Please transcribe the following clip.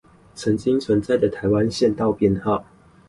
曾經存在的台灣縣道編號